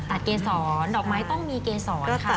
เกษรดอกไม้ต้องมีเกษรค่ะ